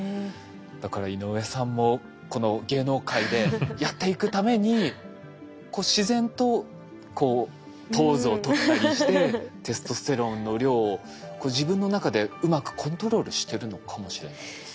だから井上さんもこの芸能界でやっていくために自然とこうポーズをとったりしてテストステロンの量を自分の中でうまくコントロールしてるのかもしれないですね。